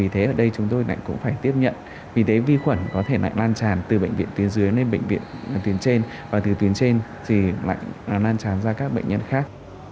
tuyến dưới lên bệnh viện tuyến trên và từ tuyến trên thì lại lan tràn ra các bệnh nhân khác